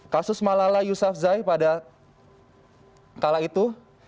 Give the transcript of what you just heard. kasus malala yousafzai pada kala itu